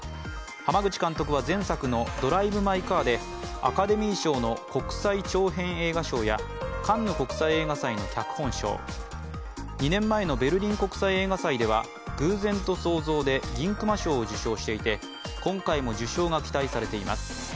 濱口監督は前作の「ドライブ・マイ・カー」でアカデミー賞の国際長編映画賞やカンヌ国際映画祭の脚本賞、２年前のベルリン国際映画祭では「偶然と想像」で銀熊賞を受賞していて今回も受賞が期待されています。